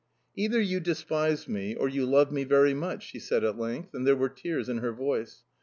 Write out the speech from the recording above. "Either you despise me, or you love me very much!" she said at length, and there were tears in her voice.